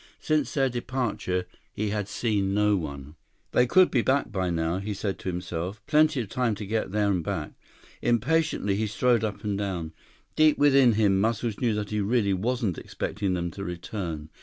Since their departure, he had seen no one. 162 "They could be back by now," he said to himself. "Plenty of time to get there and back." Impatiently, he strode up and down. Deep within him, Muscles knew that he really wasn't expecting them to return.